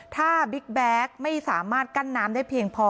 ถ้าบิ๊กแบ๊กไม่สามารถกั้นน้ำได้เพียงพอ